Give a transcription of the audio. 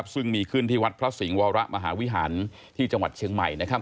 ซึ่งมีขึ้นที่วัดพระสิงห์วรมหาวิหารที่จังหวัดเชียงใหม่